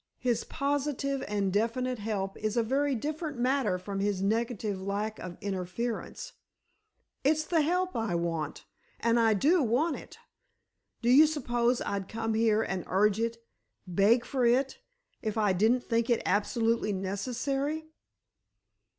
His positive and definite help is a very different matter from his negative lack of interference. It's the help I want. And I do want it! Do you suppose I'd come here and urge it—beg for it—if I didn't think it absolutely necessary?"